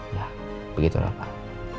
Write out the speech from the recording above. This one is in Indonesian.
ya begitulah pak